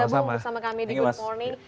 sudah gabung bersama kami di good morning